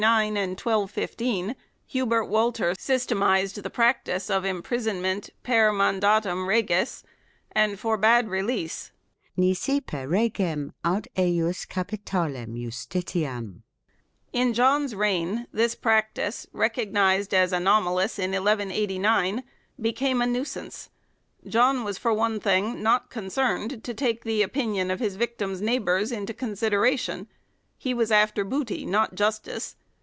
ii6 PER IUDICIUM PARIUM 1215, Hubert Walter systematized the practice of im prisonment " per mandatum regis," and forbade release " nisi per regem aut ejus capitalem justitiam ". In John's reign, this practice, recognized as anomalous in 1189, became a nuisance. John was for one thing not con cerned to take the opinion of his victims' neighbours into consideration : he was after booty, not justice.